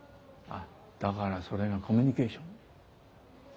あっだからそれがコミュニケーション。